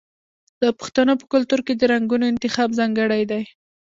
د پښتنو په کلتور کې د رنګونو انتخاب ځانګړی دی.